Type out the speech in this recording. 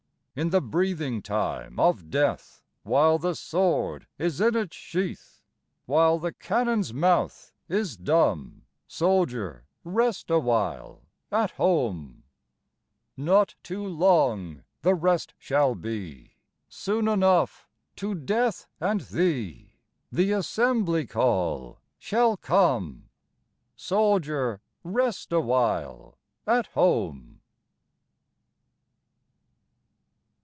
In the breathing time of Death, While the sword is in its sheath, While the cannon's mouth is dumb, Soldier, rest awhile at home. Not too long the rest shall be. Soon enough, to Death and thee, The assembly call shall come. Soldier, rest awhile at home.